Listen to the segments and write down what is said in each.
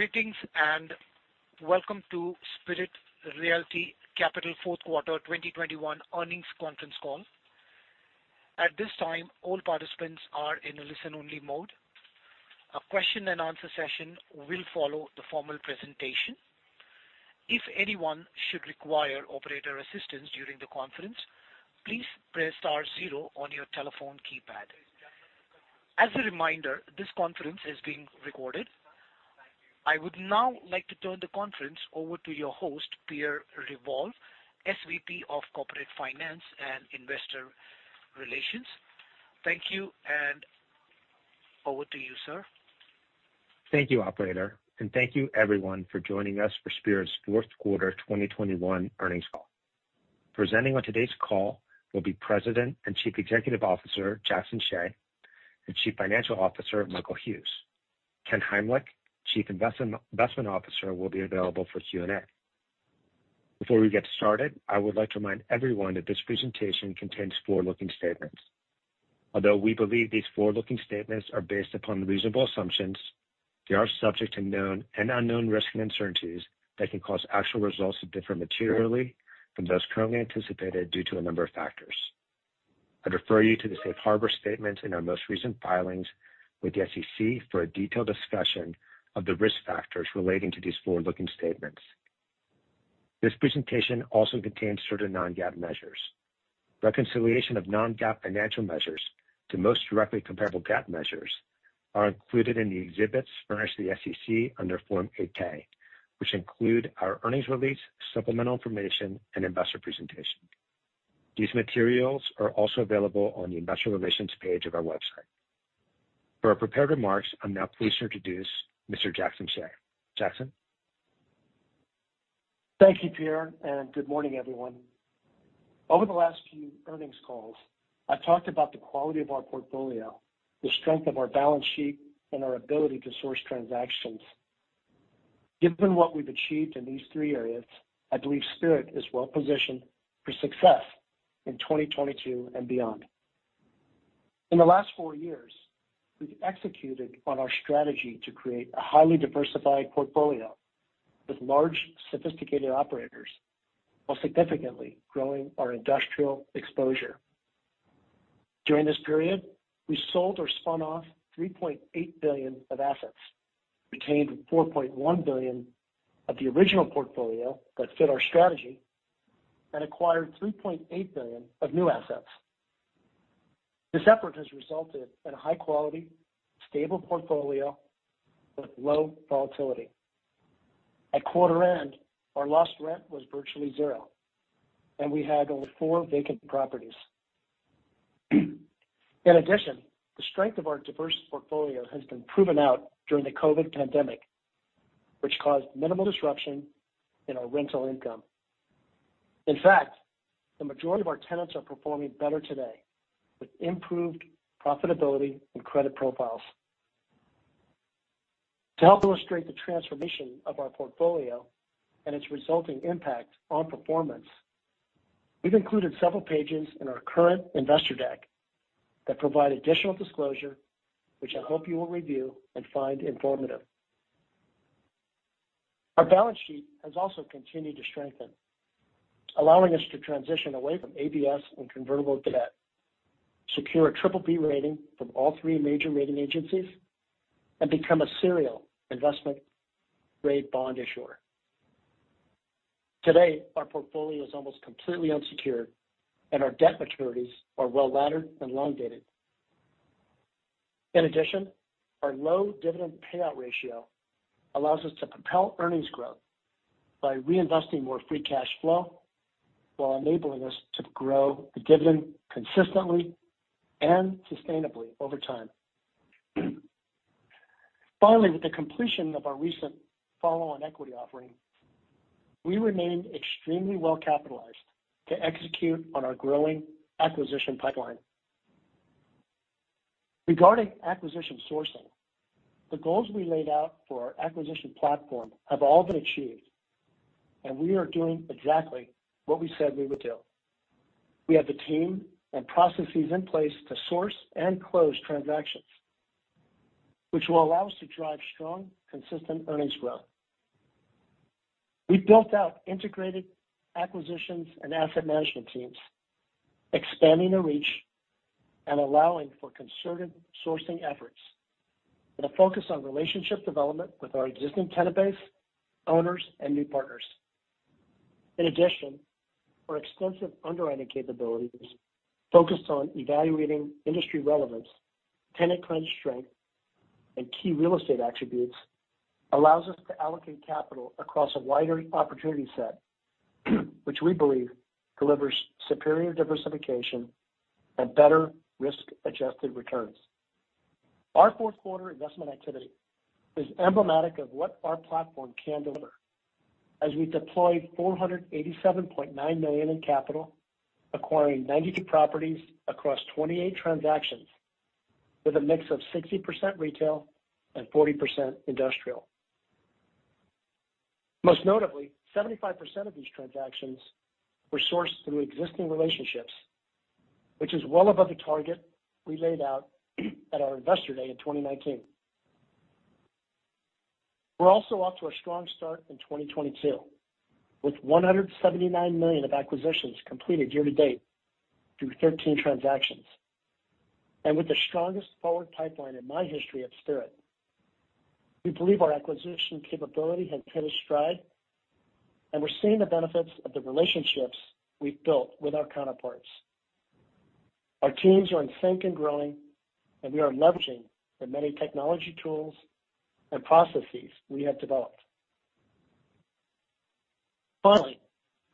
Greetings, and welcome to Spirit Realty Capital Q4 2021 earnings conference call. At this time, all participants are in a listen-only mode. A question and answer session will follow the formal presentation. If anyone should require operator assistance during the conference, please press star zero on your telephone keypad. As a reminder, this conference is being recorded. I would now like to turn the conference over to your host, Pierre Revol, SVP of Corporate Finance and Investor Relations. Thank you, and over to you, sir. Thank you, operator, and thank you everyone for joining us for Spirit's Q4 2021 earnings call. Presenting on today's call will be President and Chief Executive Officer Jackson Hsieh and Chief Financial Officer Michael Hughes. Ken Heimlich, Chief Investment Officer, will be available for Q&A. Before we get started, I would like to remind everyone that this presentation contains forward-looking statements. Although we believe these forward-looking statements are based upon reasonable assumptions, they are subject to known and unknown risks and uncertainties that can cause actual results to differ materially from those currently anticipated due to a number of factors. I'd refer you to the safe harbor statements in our most recent filings with the SEC for a detailed discussion of the risk factors relating to these forward-looking statements. This presentation also contains certain non-GAAP measures. Reconciliation of non-GAAP financial measures to most directly comparable GAAP measures are included in the exhibits furnished to the SEC under Form 8-K, which include our earnings release, supplemental information, and investor presentation. These materials are also available on the investor relations page of our website. For our prepared remarks, I'm now pleased to introduce Mr. Jackson Hsieh. Jackson. Thank you, Pierre, and good morning, everyone. Over the last few earnings calls, I've talked about the quality of our portfolio, the strength of our balance sheet, and our ability to source transactions. Given what we've achieved in these 3 areas, I believe Spirit is well positioned for success in 2022 and beyond. In the last four years, we've executed on our strategy to create a highly diversified portfolio with large, sophisticated operators, while significantly growing our industrial exposure. During this period, we sold or spun off $3.8 billion of assets, retained $4.1 billion of the original portfolio that fit our strategy, and acquired $3.8 billion of new assets. This effort has resulted in a high-quality, stable portfolio with low volatility. At quarter end, our lost rent was virtually zero, and we had only 4 vacant properties. In addition, the strength of our diverse portfolio has been proven out during the COVID pandemic, which caused minimal disruption in our rental income. In fact, the majority of our tenants are performing better today with improved profitability and credit profiles. To help illustrate the transformation of our portfolio and its resulting impact on performance, we've included several pages in our current investor deck that provide additional disclosure, which I hope you will review and find informative. Our balance sheet has also continued to strengthen, allowing us to transition away from ABS and convertible debt, secure a triple B rating from all three major rating agencies, and become a serial investment-grade bond issuer. Today, our portfolio is almost completely unsecured, and our debt maturities are well-laddered and long-dated. In addition, our low dividend payout ratio allows us to propel earnings growth by reinvesting more free cash flow while enabling us to grow the dividend consistently and sustainably over time. Finally, with the completion of our recent follow-on equity offering, we remain extremely well capitalized to execute on our growing acquisition pipeline. Regarding acquisition sourcing, the goals we laid out for our acquisition platform have all been achieved, and we are doing exactly what we said we would do. We have the team and processes in place to source and close transactions, which will allow us to drive strong, consistent earnings growth. We've built out integrated acquisitions and asset management teams, expanding the reach and allowing for concerted sourcing efforts with a focus on relationship development with our existing tenant base, owners, and new partners. In addition, our extensive underwriting capabilities focused on evaluating industry relevance, tenant credit strength, and key real estate attributes allows us to allocate capital across a wider opportunity set, which we believe delivers superior diversification and better risk-adjusted returns. Our Q4 investment activity is emblematic of what our platform can deliver as we deployed $487.9 million in capital, acquiring 92 properties across 28 transactions with a mix of 60% retail and 40% industrial. Most notably, 75% of these transactions were sourced through existing relationships, which is well above the target we laid out at our investor day in 2019. We're also off to a strong start in 2022, with $179 million of acquisitions completed year to date through 13 transactions, and with the strongest forward pipeline in my history at Spirit. We believe our acquisition capability has hit its stride, and we're seeing the benefits of the relationships we've built with our counterparts. Our teams are in sync and growing, and we are leveraging the many technology tools and processes we have developed. Finally,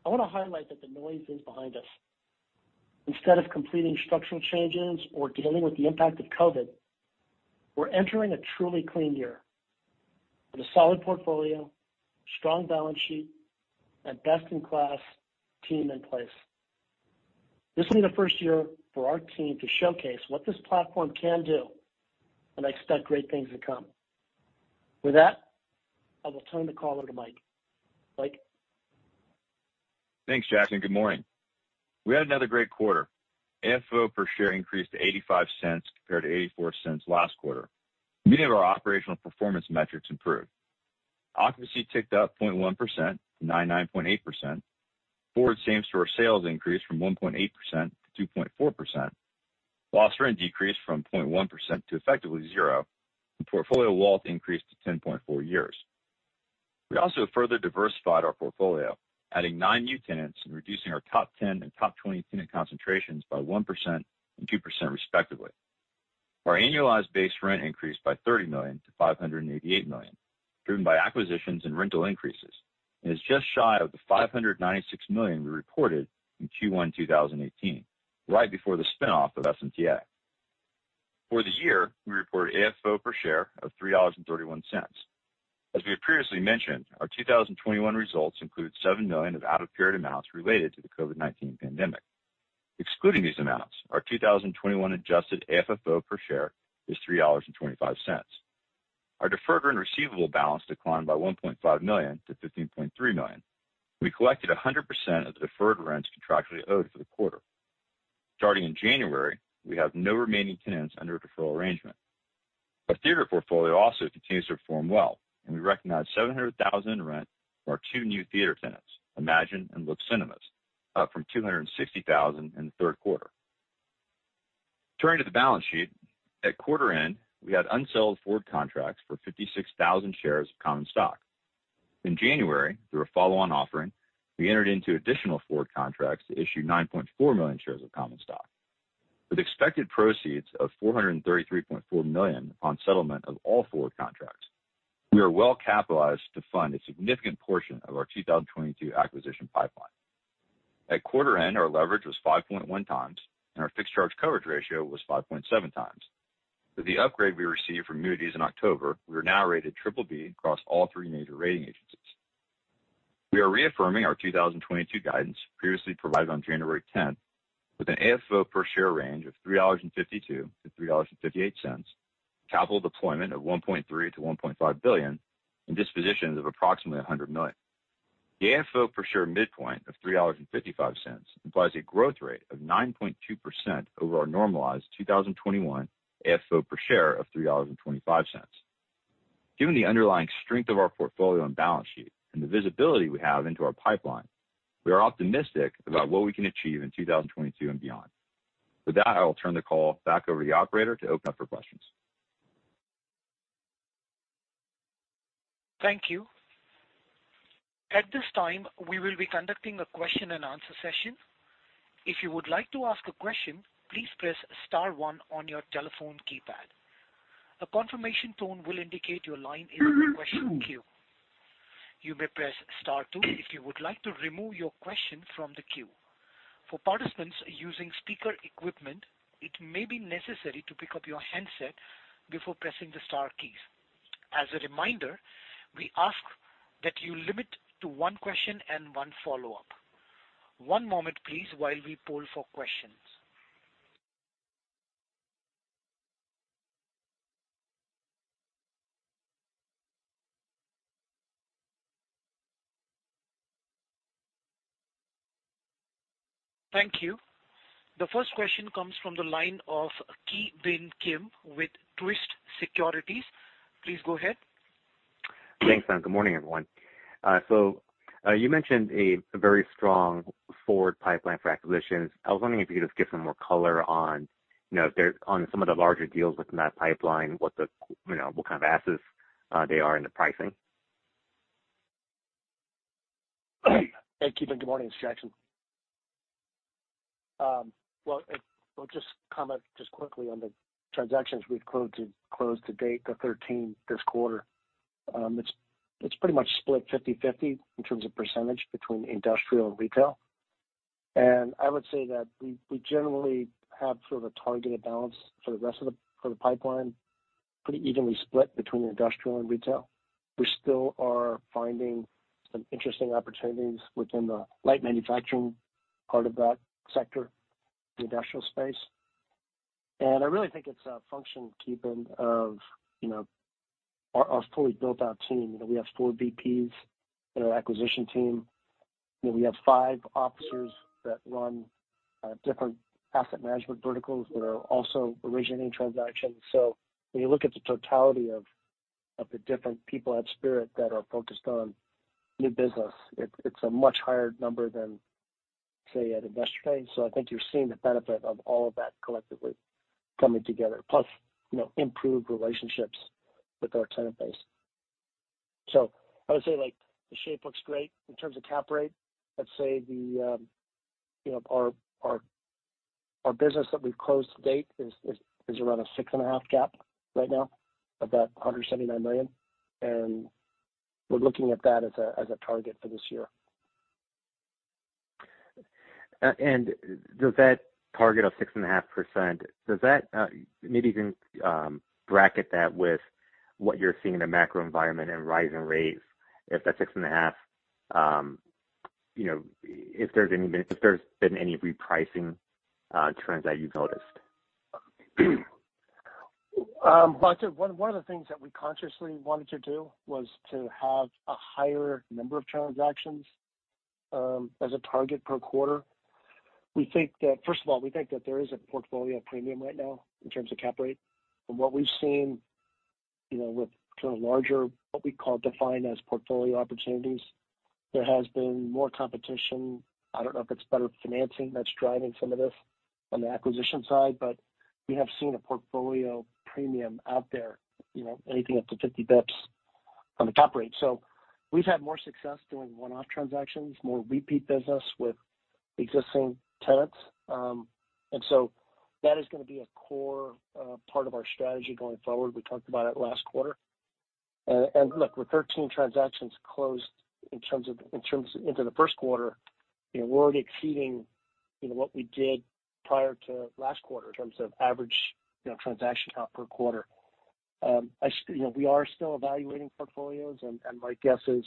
I want to highlight that the noise is behind us. Instead of completing structural changes or dealing with the impact of COVID, we're entering a truly clean year with a solid portfolio, strong balance sheet, and best-in-class team in place. This will be the first year for our team to showcase what this platform can do, and I expect great things to come. With that, I will turn the call over to Michael. Thanks, Jackson. Good morning. We had another great quarter. FFO per share increased to $0.85 compared to $0.84 last quarter. Many of our operational performance metrics improved. Occupancy ticked up 0.1% from 99.8%. Forward same-store sales increased from 1.8% to 2.4%. While strength decreased from 0.1% to effectively zero, the portfolio WALT increased to 10.4 years. We also further diversified our portfolio, adding 9 new tenants and reducing our top 10 and top 20 tenant concentrations by 1% and 2% respectively. Our annualized base rent increased by $30 million to $588 million, driven by acquisitions and rental increases, and is just shy of the $596 million we reported in Q1 2018, right before the spin-off of SMTA. For the year, we report AFFO per share of $3.31. As we have previously mentioned, our 2021 results include $7 million of out-of-period amounts related to the COVID-19 pandemic. Excluding these amounts, our 2021 adjusted AFFO per share is $3.25. Our deferred rent receivable balance declined by $1.5 million to $15.3 million. We collected 100% of the deferred rents contractually owed for the quarter. Starting in January, we have no remaining tenants under a deferral arrangement. Our theater portfolio also continues to perform well, and we recognize $700,000 in rent for our two new theater tenants, Imagine Cinemas and Lux Cinemas, up from $260,000 in the Q3. Turning to the balance sheet. At quarter end, we had unsold forward contracts for 56,000 shares of common stock. In January, through a follow-on offering, we entered into additional forward contracts to issue 9.4 million shares of common stock. With expected proceeds of $433.4 million on settlement of all forward contracts, we are well capitalized to fund a significant portion of our 2022 acquisition pipeline. At quarter end, our leverage was 5.1 times, and our fixed charge coverage ratio was 5.7 times. With the upgrade we received from Moody's in October, we are now rated triple B across all three major rating agencies. We are reaffirming our 2022 guidance previously provided on January 10, with an AFFO per share range of $3.52-$3.58, capital deployment of $1.3 billion-$1.5 billion, and dispositions of approximately $100 million. The AFFO per share midpoint of $3.55 implies a growth rate of 9.2% over our normalized 2021 AFFO per share of $3.25. Given the underlying strength of our portfolio and balance sheet and the visibility we have into our pipeline, we are optimistic about what we can achieve in 2022 and beyond. With that, I will turn the call back over to the operator to open up for questions. Thank you. At this time, we will be conducting a question and answer session. If you would like to ask a question, please press star one on your telephone keypad. A confirmation tone will indicate your line is in the question queue. You may press star two if you would like to remove your question from the queue. For participants using speaker equipment, it may be necessary to pick up your handset before pressing the star keys. As a reminder, we ask that you limit to one question and one follow-up. One moment please while we poll for questions. Thank you. The first question comes from the line of Ki Bin Kim with Truist Securities. Please go ahead. Thanks. Good morning, everyone. You mentioned a very strong forward pipeline for acquisitions. I was wondering if you could just give some more color on, you know, on some of the larger deals within that pipeline, what kind of assets they are and the pricing. Hey, Ki Bin Kim. Good morning. It's Jackson Hsieh. Well, I'll just comment just quickly on the transactions we've closed to date, the 13 this quarter. It's pretty much split 50/50 in terms of percentage between industrial and retail. I would say that we generally have sort of a targeted balance for the pipeline, pretty evenly split between industrial and retail. We still are finding some interesting opportunities within the light manufacturing part of that sector in the industrial space. I really think it's a function, Ki Bin Kim, of, you know, our fully built out team. You know, we have four VPs in our acquisition team. You know, we have five officers that run different asset management verticals that are also originating transactions. When you look at the totality of the different people at Spirit that are focused on new business, it's a much higher number than, say, at Investcorp. I think you're seeing the benefit of all of that collectively coming together, plus, you know, improved relationships with our tenant base. I would say, like, the shape looks great in terms of cap rate. I'd say you know, our business that we've closed to date is around a 6.5 cap right now, about $179 million. We're looking at that as a target for this year. Does that target of 6.5%, maybe you can bracket that with what you're seeing in the macro environment and rising rates, if there's been any repricing trends that you've noticed? One of the things that we consciously wanted to do was to have a higher number of transactions as a target per quarter. First of all, we think that there is a portfolio premium right now in terms of cap rate. From what we've seen, you know, with kind of larger, what we call defined as portfolio opportunities, there has been more competition. I don't know if it's better financing that's driving some of this on the acquisition side, but we have seen a portfolio premium out there, you know, anything up to 50 basis points on the cap rate. We've had more success doing one-off transactions, more repeat business with existing tenants. That is gonna be a core part of our strategy going forward. We talked about it last quarter. Look, with 13 transactions closed in terms of into the Q1, you know, we're already exceeding, you know, what we did prior to last quarter in terms of average, you know, transaction count per quarter. We are still evaluating portfolios and my guess is,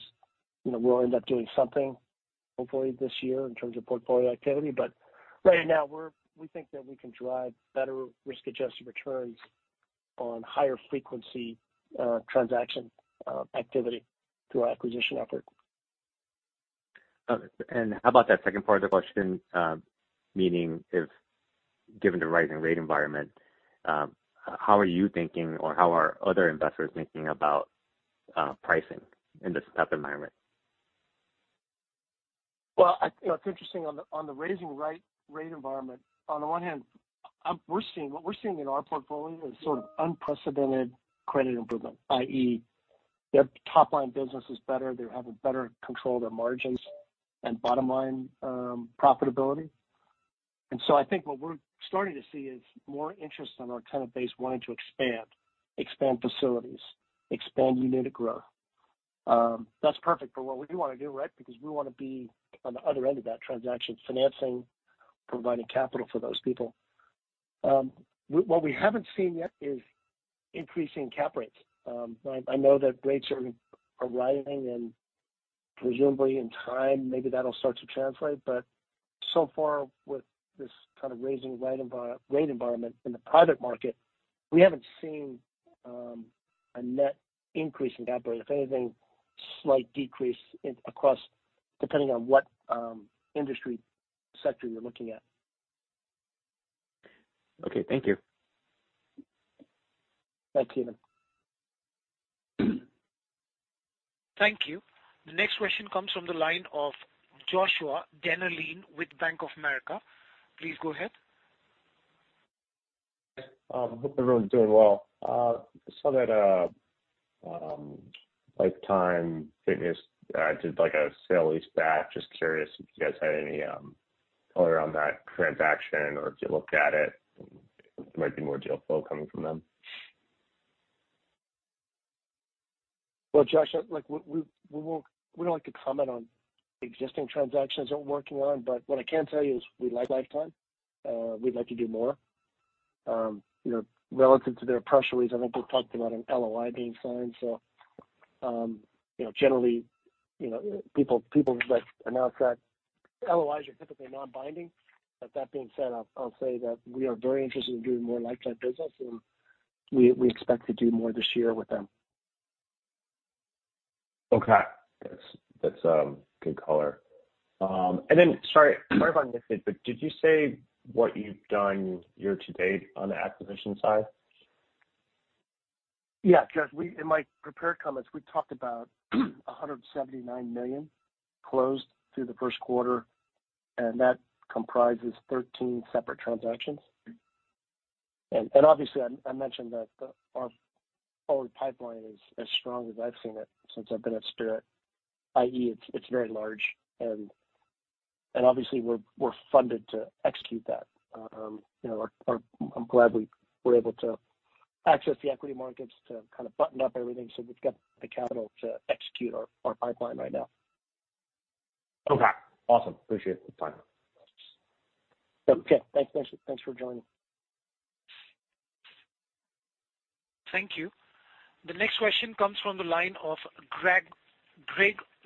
you know, we'll end up doing something hopefully this year in terms of portfolio activity. Right now we think that we can drive better risk-adjusted returns on higher frequency transaction activity through our acquisition effort. Okay. How about that second part of the question? Meaning if given the rising rate environment, how are you thinking or how are other investors thinking about pricing in this type environment? I think it's interesting on the rising rate environment, on the one hand, we're seeing what we're seeing in our portfolio is sort of unprecedented credit improvement, i.e., their top-line business is better. They have a better control of their margins and bottom line, profitability. I think what we're starting to see is more interest from our tenant base wanting to expand facilities, unit growth. That's perfect for what we do want to do, right? Because we want to be on the other end of that transaction, financing, providing capital for those people. What we haven't seen yet is increasing cap rates. I know that rates are rising and presumably in time maybe that'll start to translate, but so far with this kind of rising rate environment in the private market, we haven't seen a net increase in cap rate. If anything, slight decrease across depending on what industry sector you're looking at. Okay, thank you. Thanks, Ki Bin. Thank you. The next question comes from the line of Joshua Dennerlein with Bank of America. Please go ahead. Hi. Hope everyone's doing well. I saw that Life Time added like a sale-leaseback. Just curious if you guys had any color on that transaction or if you looked at it. There might be more deal flow coming from them. Well, Josh, we don't like to comment on existing transactions that we're working on, but what I can tell you is we like Life Time. We'd like to do more. You know, relative to their press release, I think they talked about an LOI being signed. You know, generally, you know, people that announce that, LOIs are typically non-binding. But that being said, I'll say that we are very interested in doing more Life Time business, and we expect to do more this year with them. Okay. That's good color. Sorry if I missed it, but did you say what you've done year to date on the acquisition side? Yeah. Josh, in my prepared comments, we talked about $179 million closed through the Q1, and that comprises 13 separate transactions. Obviously I mentioned that our forward pipeline is as strong as I've seen it since I've been at Spirit, i.e., it's very large and obviously we're funded to execute that. You know, I'm glad we were able to access the equity markets to kind of button up everything, so we've got the capital to execute our pipeline right now. Okay. Awesome. Appreciate the time. Okay. Thanks for joining. Thank you. The next question comes from the line of Greg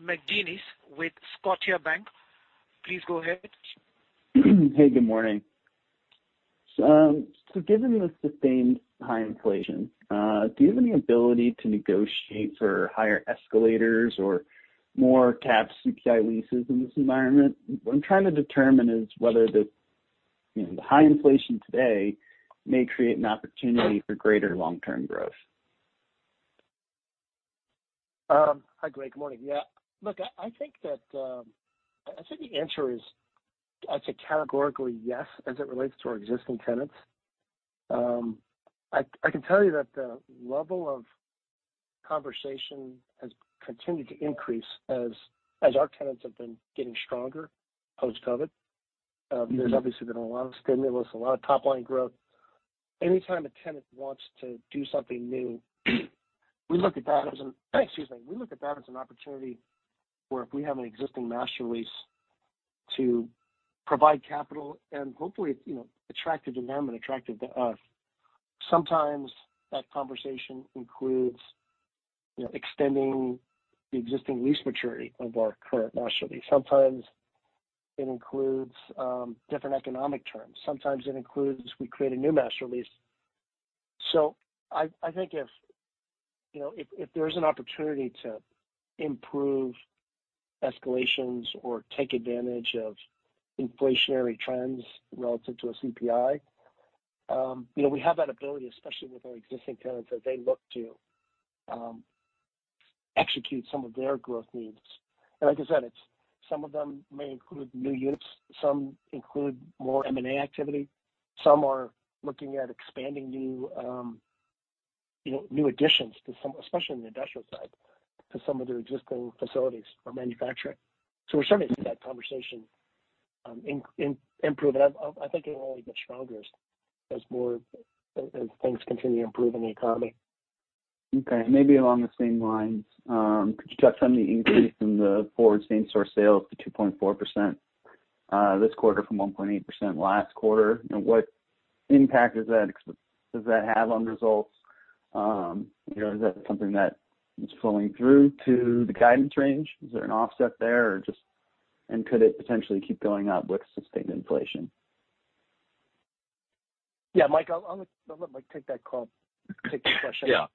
McGinniss with Scotiabank. Please go ahead. Hey, good morning. Given the sustained high inflation, do you have any ability to negotiate for higher escalators or more capped CPI leases in this environment? What I'm trying to determine is whether the high inflation today may create an opportunity for greater long-term growth. Hi, Greg. Good morning. Yeah. Look, I think the answer is, I'd say categorically yes, as it relates to our existing tenants. I can tell you that the level of conversation has continued to increase as our tenants have been getting stronger post-COVID. There's obviously been a lot of stimulus, a lot of top-line growth. Any time a tenant wants to do something new, we look at that as an opportunity where if we have an existing master lease to provide capital and hopefully it's, you know, attractive to them and attractive to us. Sometimes that conversation includes, you know, extending the existing lease maturity of our current master lease. Sometimes it includes different economic terms. Sometimes it includes we create a new master lease. I think if, you know, if there's an opportunity to improve escalations or take advantage of inflationary trends relative to a CPI, you know, we have that ability, especially with our existing tenants, as they look to execute some of their growth needs. Like I said, it's some of them may include new units, some include more M&A activity, some are looking at expanding new additions to some, especially on the industrial side, to some of their existing facilities for manufacturing. We're starting to see that conversation improve. I think it'll only get stronger as more as things continue to improve in the economy. Okay. Maybe along the same lines, could you touch on the increase in the forward same store sales to 2.4% this quarter from 1.8% last quarter? You know, what impact is that—does that have on results? You know, is that something that is flowing through to the guidance range? Is there an offset there or just? Could it potentially keep going up with sustained inflation? Yeah. Mike, I'll let Mike take the question. Yeah.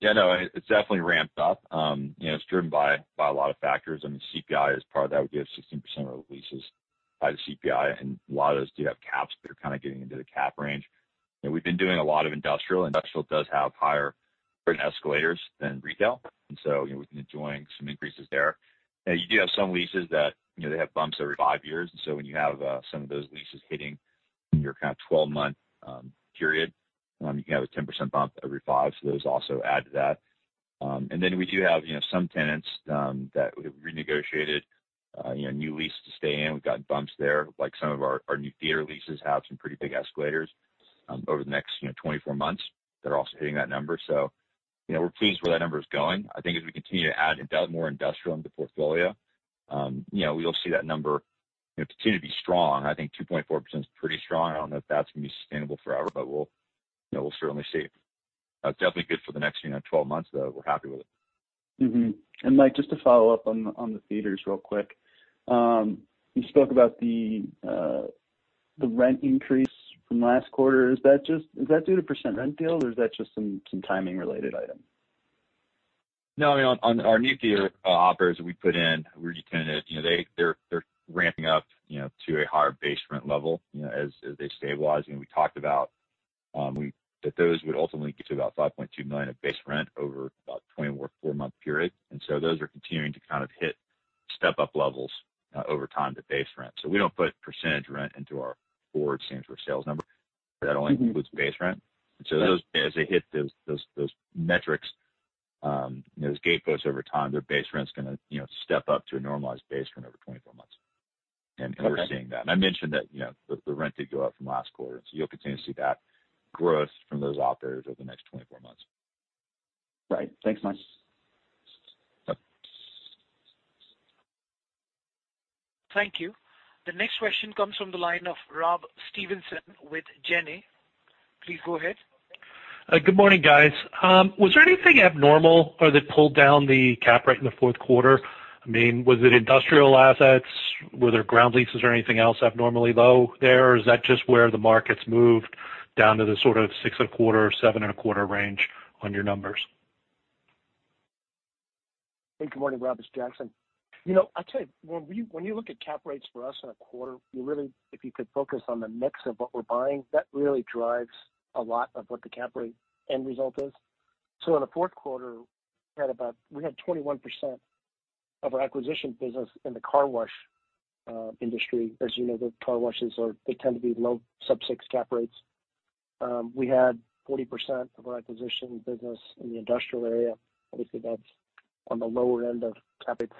Yeah, no. It's definitely ramped up. You know, it's driven by a lot of factors. I mean, CPI is part of that. We have 16% of our leases by the CPI, and a lot of those do have caps. They're kind of getting into the cap range. You know, we've been doing a lot of industrial. Industrial does have higher escalators than retail, and so, you know, we've been enjoying some increases there. Now you do have some leases that, you know, they have bumps every five years. When you have some of those leases hitting in your kind of 12-month period, you can have a 10% bump every five. Those also add to that. And then we do have, you know, some tenants that we have renegotiated, you know, new leases to stay in. We've gotten bumps there. Like, some of our new theater leases have some pretty big escalators over the next, you know, 24 months that are also hitting that number. We're pleased where that number is going. I think as we continue to add more industrial into the portfolio, you know, we'll see that number, you know, continue to be strong. I think 2.4% is pretty strong. I don't know if that's gonna be sustainable forever, but we'll certainly see. It's definitely good for the next, you know, 12 months, though. We're happy with it. Mm-hmm. Mike, just to follow up on the theaters real quick. You spoke about the rent increase from last quarter. Is that due to percent rent deal, or is that just some timing related item? No, I mean, on our new theater operators that we put in, we retenanted. You know, they're ramping up, you know, to a higher base rent level, you know, as they stabilize. You know, we talked about that those would ultimately get to about $5.2 million of base rent over about a 24-month period. Those are continuing to kind of hit step-up levels over time to base rent. We don't put percentage rent into our forward same store sales number. Mm-hmm. That only includes base rent. Those, as they hit those metrics, you know, those gate posts over time, their base rent's gonna, you know, step up to a normalized base rent over 24 months. Okay. We're seeing that. I mentioned that, you know, the rent did go up from last quarter, and so you'll continue to see that growth from those operators over the next 24 months. Right. Thanks, Mike. Yep. Thank you. The next question comes from the line of Rob Stevenson with Janney Montgomery Scott. Please go ahead. Good morning, guys. Was there anything abnormal or that pulled down the cap rate in the Q4? I mean, was it industrial assets? Were there ground leases or anything else abnormally low there, or is that just where the market's moved down to the sort of 6.25 or 7.25 range on your numbers? Hey, good morning, Rob. It's Jackson. You know, I'll tell you, when you look at cap rates for us in a quarter, you really, if you could focus on the mix of what we're buying, that really drives a lot of what the cap rate end result is. In the Q4, we had 21% of our acquisition business in the car wash industry. As you know, the car washes tend to be low sub-six cap rates. We had 40% of our acquisition business in the industrial area. Obviously, that's on the lower end of cap rates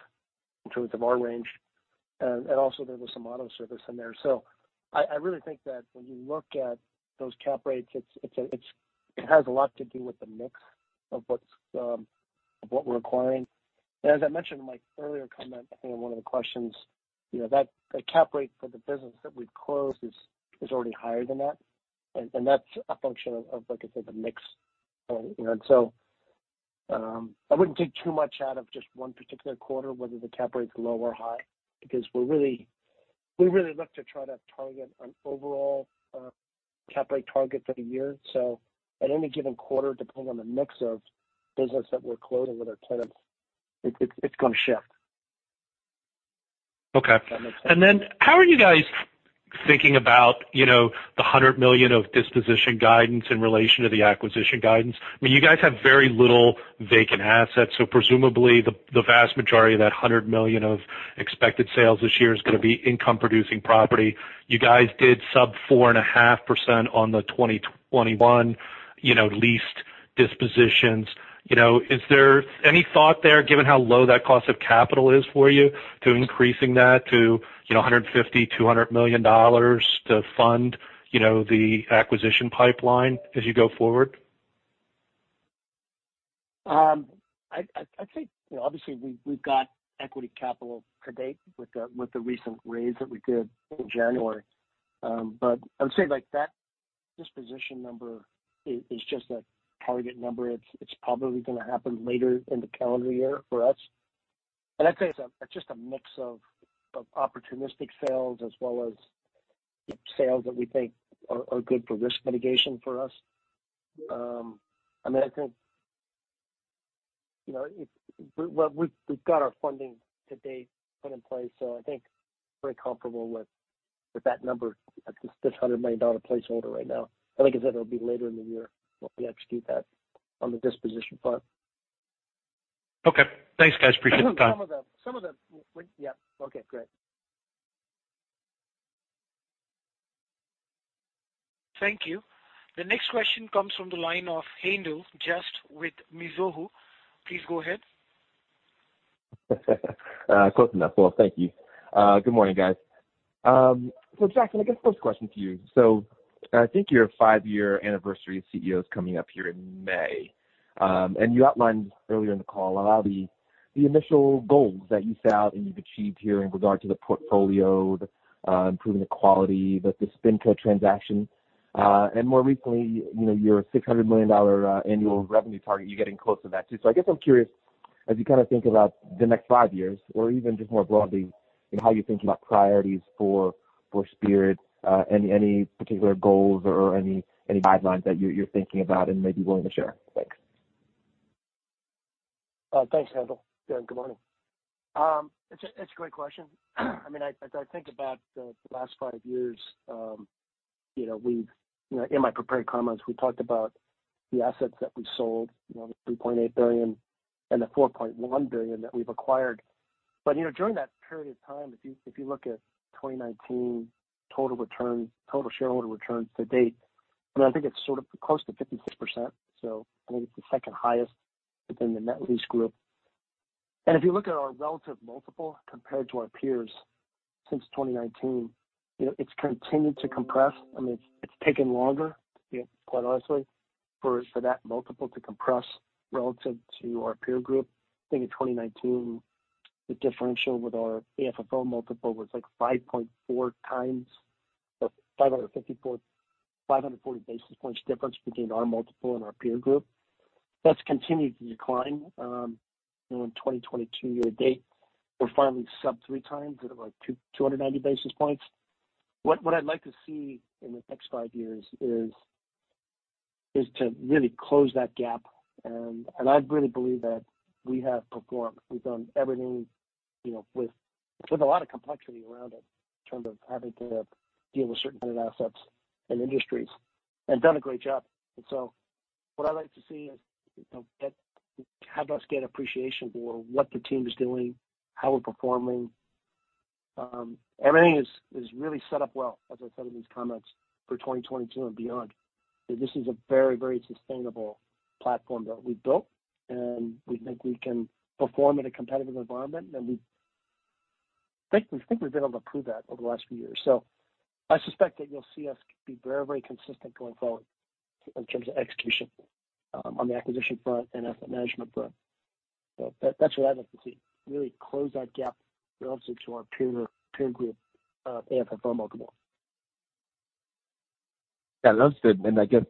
in terms of our range. Also there was some auto service in there. I really think that when you look at those cap rates, it has a lot to do with the mix of what we're acquiring. As I mentioned in my earlier comment, I think in one of the questions, you know, that the cap rate for the business that we've closed is already higher than that. That's a function of, like I said, the mix. I wouldn't take too much out of just one particular quarter, whether the cap rate's low or high because we really look to try to target an overall cap rate target for the year. At any given quarter, depending on the mix of business that we're closing with our tenants, it's gonna shift. Okay. How are you guys thinking about, you know, the $100 million of disposition guidance in relation to the acquisition guidance? I mean, you guys have very little vacant assets, so presumably the vast majority of that $100 million of expected sales this year is gonna be income producing property. You guys did sub-4.5% on the 2021, you know, leased dispositions. You know, is there any thought there, given how low that cost of capital is for you to increasing that to, you know, $150-$200 million to fund, you know, the acquisition pipeline as you go forward? I'd say, you know, obviously we've got equity capital to date with the recent raise that we did in January. I would say like that disposition number is just a target number. It's probably gonna happen later in the calendar year for us. I'd say it's just a mix of opportunistic sales as well as sales that we think are good for risk mitigation for us. I mean, I think, you know, well, we've got our funding to date put in place, so I think very comfortable with that number, this $100 million placeholder right now. Like I said, it'll be later in the year when we execute that on the disposition front. Okay. Thanks guys. Appreciate the time. Yeah. Okay, great. Thank you. The next question comes from the line of Haendel St. Juste with Mizuho. Please go ahead. Close enough. Well, thank you. Good morning, guys. Jackson, I guess first question to you. I think your five-year anniversary as CEO is coming up here in May. You outlined earlier in the call a lot of the initial goals that you set out and you've achieved here in regard to the portfolio, the improving the quality with the SpinCo transaction. More recently, you know, your $600 million annual revenue target, you're getting close to that too. I guess I'm curious, as you kind of think about the next five years or even just more broadly, you know, how you're thinking about priorities for Spirit, any particular goals or any guidelines that you're thinking about and maybe willing to share? Thanks. Thanks Haendel. Yeah, good morning. It's a great question. I mean, as I think about the last five years, you know, in my prepared comments, we talked about the assets that we sold, you know, the $3.8 billion and the $4.1 billion that we've acquired. During that period of time, if you look at 2019 total returns, total shareholder returns to date, and I think it's sort of close to 56%, so I think it's the second highest within the net lease group. If you look at our relative multiple compared to our peers since 2019, you know, it's continued to compress. I mean, it's taken longer, quite honestly, for that multiple to compress relative to our peer group. I think in 2019 the differential with our AFFO multiple was like 5.4 times or 540 basis points difference between our multiple and our peer group. That's continued to decline. You know, in 2022 year to date, we're finally sub 3 times at about 290 basis points. What I'd like to see in the next 5 years is to really close that gap. I really believe that we have performed. We've done everything, you know, with a lot of complexity around it in terms of having to deal with certain kinds of assets and industries and done a great job. What I'd like to see is, you know, that have us get appreciation for what the team is doing, how we're performing. Everything is really set up well, as I said in these comments, for 2022 and beyond. This is a very, very sustainable platform that we've built, and we think we can perform in a competitive environment. We think we've been able to prove that over the last few years. I suspect that you'll see us be very, very consistent going forward in terms of execution on the acquisition front and asset management front. That's what I'd like to see, really close that gap relative to our peer group AFFO multiple. Yeah, that's good. I guess,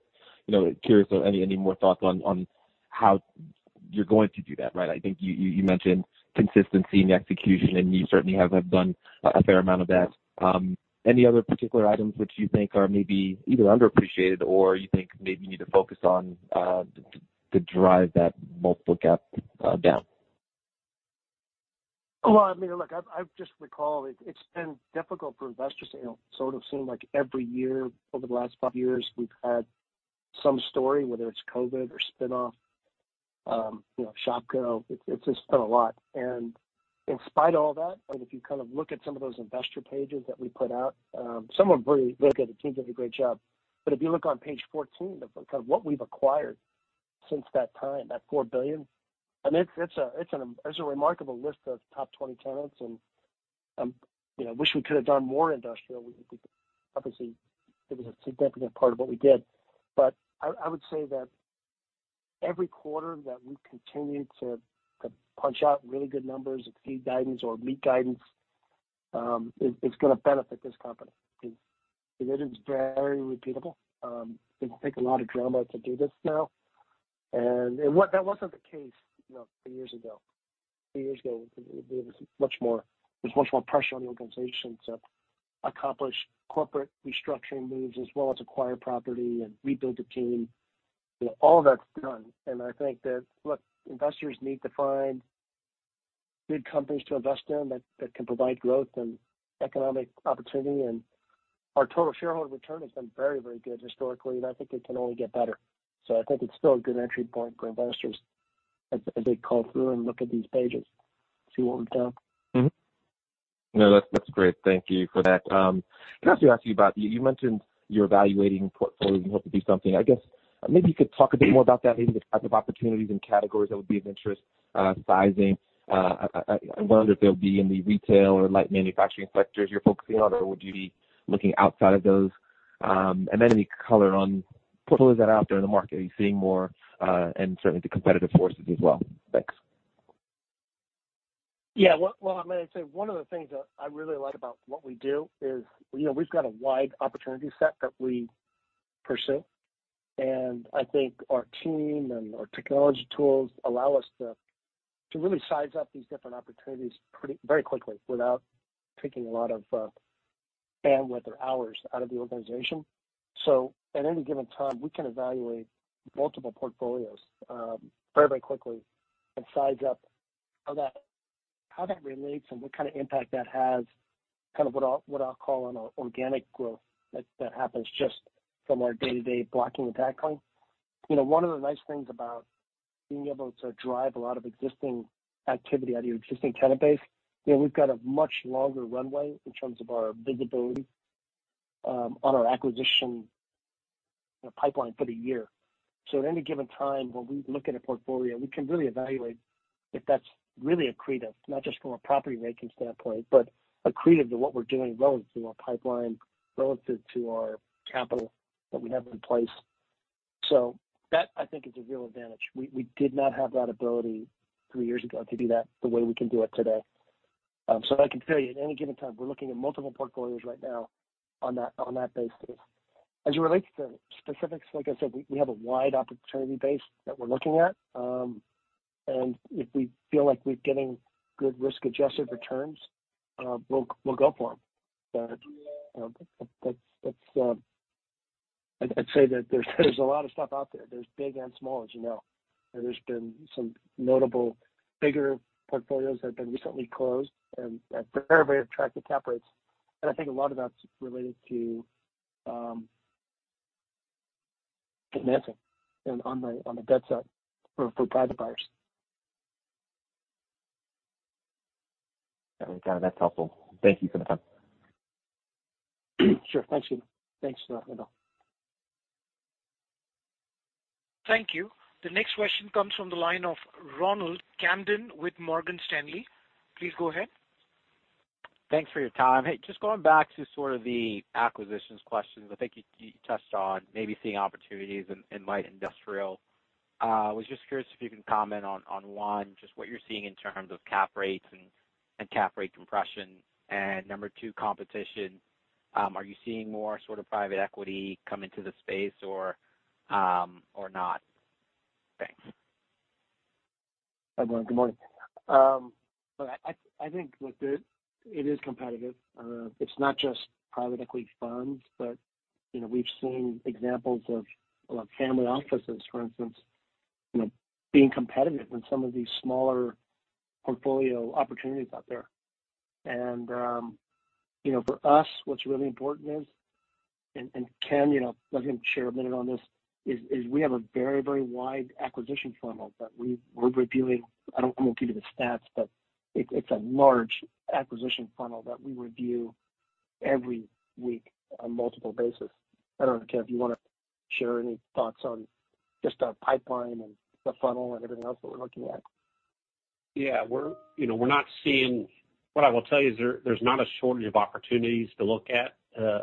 you know, curious on any more thoughts on how you're going to do that, right? I think you mentioned consistency in the execution, and you certainly have done a fair amount of that. Any other particular items which you think are maybe either underappreciated or you think maybe you need to focus on, to drive that multiple gap down? Well, I mean, look, I just recall it's been difficult for investors to, you know, sort of seem like every year over the last five years we've had some story, whether it's COVID or spin-off, you know, Shopko. It's just been a lot. In spite of all that, and if you kind of look at some of those investor pages that we put out, some are very—look, the team did a great job. If you look on page 14 of what we've acquired since that time, that $4 billion, I mean, it's a remarkable list of top 20 tenants and, you know, wish we could have done more industrial. We could—obviously, it was a significant part of what we did. I would say that every quarter that we continue to punch out really good numbers, exceed guidance or meet guidance, it's gonna benefit this company. It is very repeatable. It takes a lot of drama to do this now, and that wasn't the case, you know, three years ago. Three years ago, it was much more. There was much more pressure on the organization to accomplish corporate restructuring moves as well as acquire property and rebuild the team. You know, all that's done, and I think that look, investors need to find good companies to invest in that can provide growth and economic opportunity. Our total shareholder return has been very, very good historically, and I think it can only get better. I think it's still a good entry point for investors as they call through and look at these pages, see what we've done. Mm-hmm. No, that's great. Thank you for that. Can I still ask you about. You mentioned you're evaluating portfolios. You hope to do something. I guess maybe you could talk a bit more about that, maybe the type of opportunities and categories that would be of interest, sizing. I wonder if they'll be in the retail or light manufacturing sectors you're focusing on, or would you be looking outside of those? Any color on portfolios that are out there in the market, are you seeing more, and certainly the competitive forces as well. Thanks. Yeah. Well, I'm gonna say one of the things that I really like about what we do is, you know, we've got a wide opportunity set that we pursue. I think our team and our technology tools allow us to really size up these different opportunities very quickly without taking a lot of bandwidth or hours out of the organization. At any given time, we can evaluate multiple portfolios very quickly and size up how that relates and what kind of impact that has, kind of, what I'll call inorganic growth that happens just from our day-to-day blocking and tackling. You know, one of the nice things about being able to drive a lot of existing activity out of your existing tenant base, you know, we've got a much longer runway in terms of our visibility on our acquisition pipeline for the year. At any given time when we look at a portfolio, we can really evaluate if that's really accretive, not just from a property making standpoint, but accretive to what we're doing relative to our pipeline, relative to our capital that we have in place. That I think is a real advantage. We did not have that ability three years ago to do that the way we can do it today. I can tell you at any given time, we're looking at multiple portfolios right now on that, on that basis. As it relates to specifics, like I said, we have a wide opportunity base that we're looking at. If we feel like we're getting good risk-adjusted returns, we'll go for them. You know, that's. I'd say that there's a lot of stuff out there. There's big and small, as you know. There's been some notable bigger portfolios that have been recently closed and at very attractive cap rates. I think a lot of that's related to financing and on the debt side for private buyers. Got it. That's helpful. Thank you for the time. Sure. Thanks. Thanks for letting me know. Thank you. The next question comes from the line of Ronald Kamdem with Morgan Stanley. Please go ahead. Thanks for your time. Hey, just going back to sort of the acquisitions questions. I think you touched on maybe seeing opportunities in light industrial. I was just curious if you can comment on one, just what you're seeing in terms of cap rates and cap rate compression. Number two, competition, are you seeing more sort of private equity come into the space or not? Thanks. Hi, Ron. Good morning. Look, I think it is competitive. It's not just private equity funds, but you know, we've seen examples of family offices, for instance, you know, being competitive in some of these smaller portfolio opportunities out there. You know, for us, what's really important is, and Ken, you know, let him share a minute on this, is we have a very wide acquisition funnel that we're reviewing. I don't want to give you the stats, but it's a large acquisition funnel that we review every week on multiple basis. I don't know, Ken, if you wanna share any thoughts on just our pipeline and the funnel and everything else that we're looking at. We're, you know, we're not seeing. What I will tell you is there's not a shortage of opportunities to look at,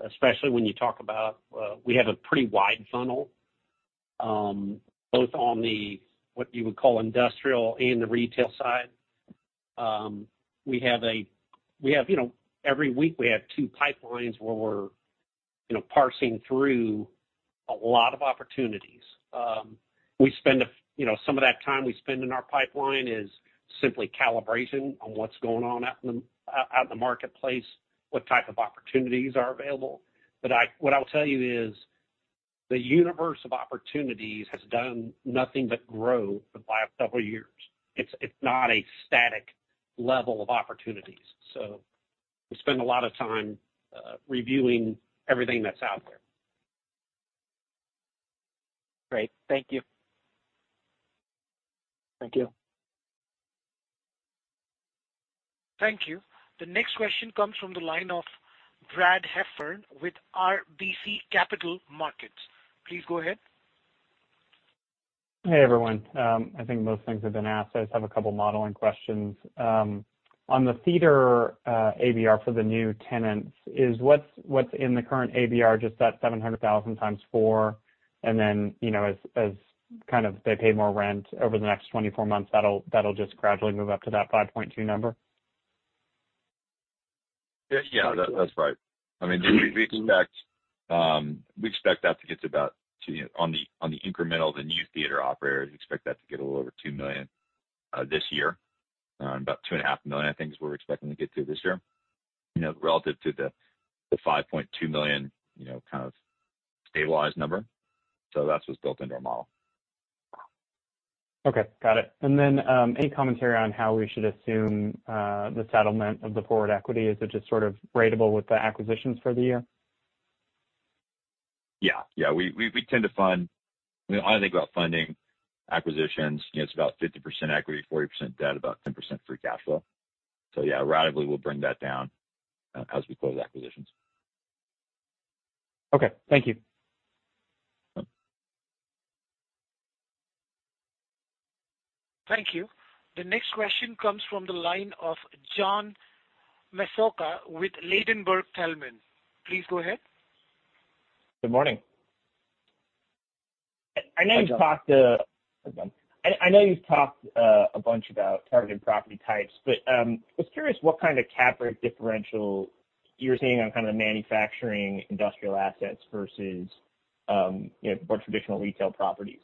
especially when you talk about, we have a pretty wide funnel, both on the, what you would call industrial and the retail side. We have a, we have, you know, every week we have two pipelines where we're, you know, parsing through a lot of opportunities. We spend you know, some of that time we spend in our pipeline is simply calibration on what's going on out in the marketplace, what type of opportunities are available. What I'll tell you is the universe of opportunities has done nothing but grow for the last several years. It's not a static level of opportunities. We spend a lot of time reviewing everything that's out there. Great. Thank you. Thank you. Thank you. The next question comes from the line of Brad Heffern with RBC Capital Markets. Please go ahead. Hey, everyone. I think most things have been asked. I just have a couple modeling questions. On the theater, ABR for the new tenants is what's in the current ABR, just that $700,000 times 4, and then, you know, as kind of they pay more rent over the next 24 months, that'll just gradually move up to that $5.2 number? Yeah. That's right. I mean, we expect that to get to about on the incremental, the new theater operators, we expect that to get a little over $2 million this year. About $2.5 million, I think, is what we're expecting to get to this year. You know, relative to the $5.2 million, you know, kind of stabilized number. That's what's built into our model. Okay, got it. Any commentary on how we should assume the settlement of the forward equity? Is it just sort of ratable with the acquisitions for the year? Yeah. We tend to fund, you know. I think about funding acquisitions, you know, it's about 50% equity, 40% debt, about 10% free cash flow. Yeah, ratably we'll bring that down as we close acquisitions. Okay, thank you. Yep. Thank you. The next question comes from the line of John Massocca with Ladenburg Thalmann. Please go ahead. Good morning. I know you've talked a bunch about targeted property types, but I was curious what kind of cap rate differential you're seeing on kind of the manufacturing industrial assets versus, you know, more traditional retail properties,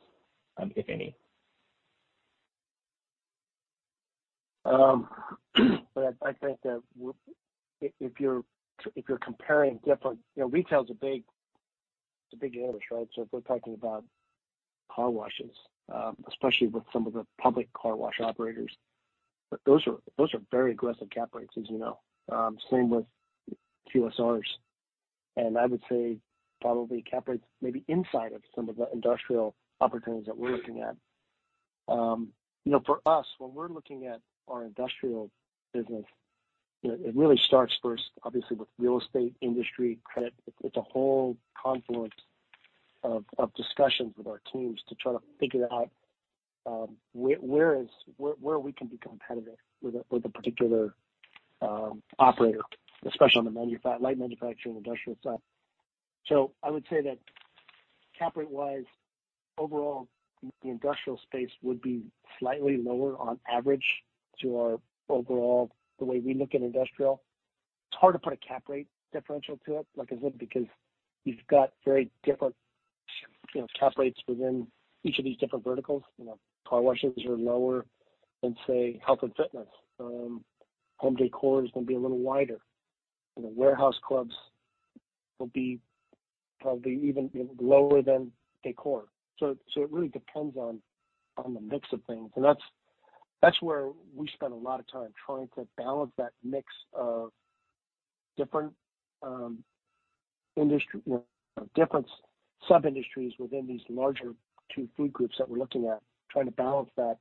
if any. I think that if you're comparing different, you know, retail is a big animal, right? If we're talking about car washes, especially with some of the public car wash operators, those are very aggressive cap rates, as you know. Same with QSRs. I would say probably cap rates may be inside of some of the industrial opportunities that we're looking at. You know, for us, when we're looking at our industrial business, you know, it really starts first obviously with real estate industry credit. It's a whole confluence of discussions with our teams to try to figure out where we can be competitive with a particular operator, especially on the light manufacturing, industrial side. I would say that cap rate wise, overall, the industrial space would be slightly lower on average to our overall the way we look at industrial. It's hard to put a cap rate differential to it, like I said, because you've got very different, you know, cap rates within each of these different verticals. You know, car washes are lower than, say, health and fitness. Home decor is gonna be a little wider. You know, warehouse clubs will be probably even lower than decor. It really depends on the mix of things. That's where we spend a lot of time trying to balance that mix of different, industry, you know, different sub-industries within these larger two food groups that we're looking at, trying to balance that,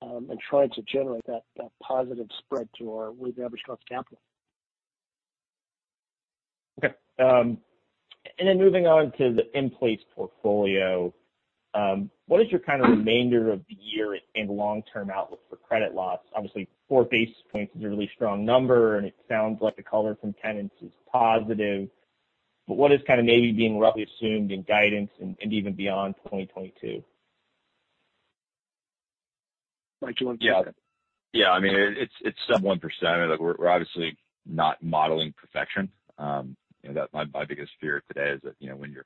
and trying to generate that positive spread to our with average cost of capital. Okay. Moving on to the in-place portfolio, what is your kind of remainder of the year and long-term outlook for credit loss? Obviously, four basis points is a really strong number, and it sounds like the color from tenants is positive. What is kind of maybe being roughly assumed in guidance and even beyond 2022? Mike, do you want to take it? Yeah. Yeah. I mean, it's sub 1%. We're obviously not modeling perfection. You know, my biggest fear today is that, you know, when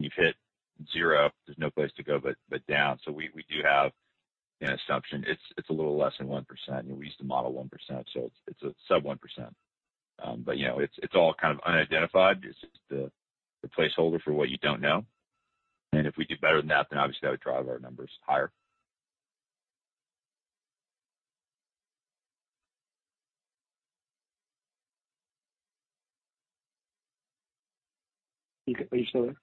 you've hit zero, there's no place to go but down. So we do have an assumption. It's a little less than 1%, and we used to model 1%, so it's a sub 1%. But you know, it's all kind of unidentified. It's just a placeholder for what you don't know. If we do better than that, then obviously that would drive our numbers higher. Okay. Are you still there?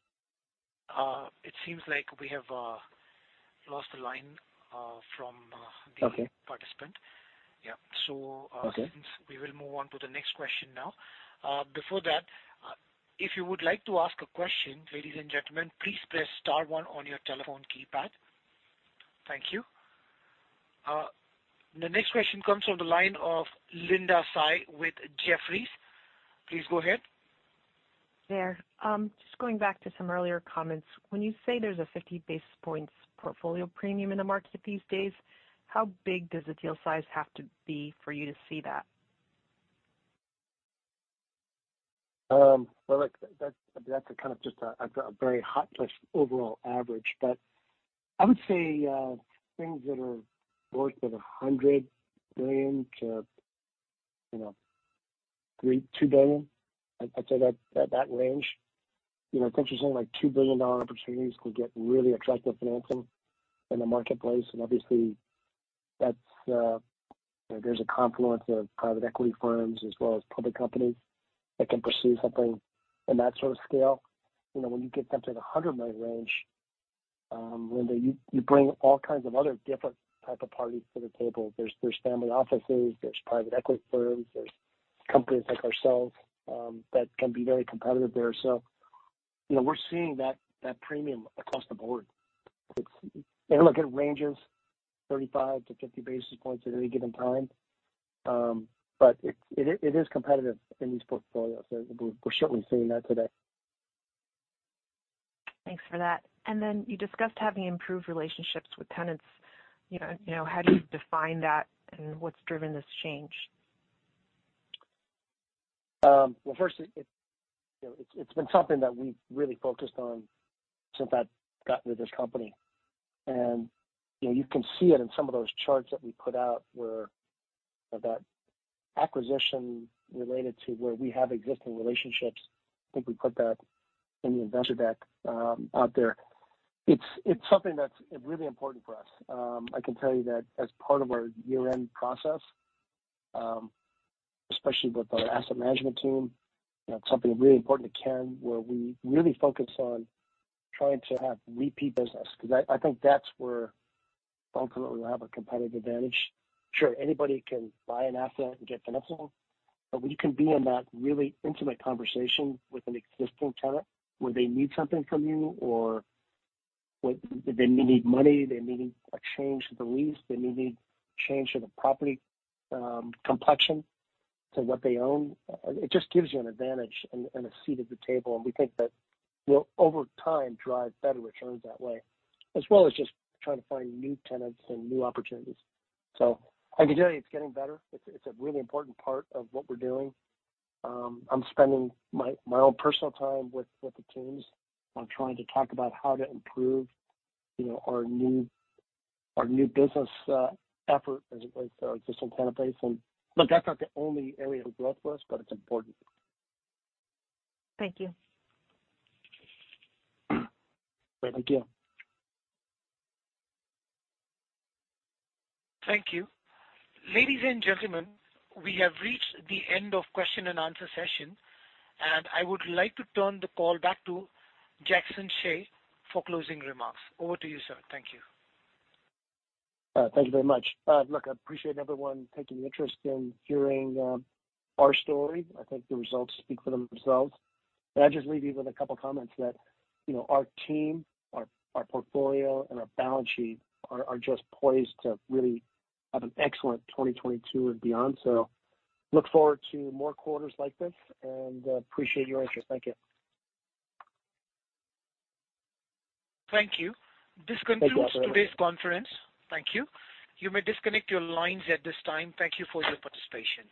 It seems like we have lost the line from Okay. the participant. Yeah. Okay. We will move on to the next question now. Before that, if you would like to ask a question, ladies and gentlemen, please press star one on your telephone keypad. Thank you. The next question comes from the line of Linda Tsai with Jefferies. Please go ahead. Just going back to some earlier comments. When you say there's a 50 basis points portfolio premium in the market these days, how big does the deal size have to be for you to see that? Well, look, that's a kind of just a very hot overall average. I would say things that are worth $100 million to $2-3 billion. I'd say that range. You know, potentially like $2 billion opportunities could get really attractive financing in the marketplace. Obviously, you know, there's a confluence of private equity firms as well as public companies that can pursue something in that sort of scale. You know, when you get something in the $100 million range, Linda, you bring all kinds of other different type of parties to the table. There's family offices, there's private equity firms, there's companies like ourselves that can be very competitive there. You know, we're seeing that premium across the board. It's Look, it ranges 35-50 basis points at any given time. It is competitive in these portfolios. We're certainly seeing that today. Thanks for that. You discussed having improved relationships with tenants. You know, how do you define that and what's driven this change? Well, first you know, it's been something that we've really focused on since I've gotten to this company. You know, you can see it in some of those charts that we put out where that acquisition related to where we have existing relationships. I think we put that in the investor deck out there. It's something that's really important for us. I can tell you that as part of our year-end process, especially with our asset management team, you know, it's something really important to Ken, where we really focus on trying to have repeat business. Because I think that's where ultimately we'll have a competitive advantage. Sure, anybody can buy an asset and get financing. When you can be in that really intimate conversation with an existing tenant where they need something from you or what. They may need money, they may need a change to the lease, they may need change to the property, complexion to what they own, it just gives you an advantage and a seat at the table. We think that we'll over time drive better returns that way, as well as just trying to find new tenants and new opportunities. I can tell you it's getting better. It's a really important part of what we're doing. I'm spending my own personal time with the teams on trying to talk about how to improve, you know, our new business effort as it relates to our existing tenant base. Look, that's not the only area of growth for us, but it's important. Thank you. Great. Thank you. Thank you. Ladies and gentlemen, we have reached the end of question and answer session, and I would like to turn the call back to Jackson Hsieh for closing remarks. Over to you, sir. Thank you. Thank you very much. Look, I appreciate everyone taking an interest in hearing our story. I think the results speak for themselves. I just leave you with a couple comments that, you know, our team, our portfolio, and our balance sheet are just poised to really have an excellent 2022 and beyond. Look forward to more quarters like this and appreciate your interest. Thank you. Thank you. Thanks, operator. This concludes today's conference. Thank you. You may disconnect your lines at this time. Thank you for your participation.